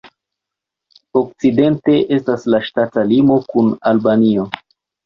Okcidente estas la ŝtata limo kun Albanio.